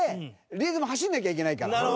リエゾンも走らなきゃいけないから。